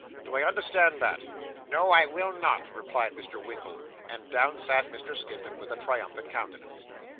Do I understand that?' 'No, I will not,' replied Mr. Winkle; and down sat Mr. Skimpin with a triumphant countenance.